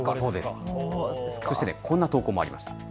そしてこんな投稿もありました。